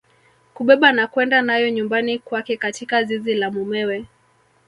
Kubeba na kwenda nayo nyumbani kwake katika zizi la mumewe